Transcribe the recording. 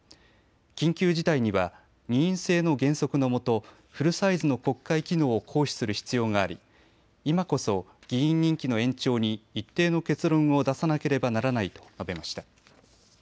緊急事態には二院制の原則のもとフルサイズの国会機能を行使する必要があり、今こそ議員任期の延長に一定の結論を出さなければならないと述べました。